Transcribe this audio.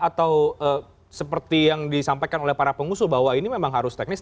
atau seperti yang disampaikan oleh para pengusul bahwa ini memang harus teknis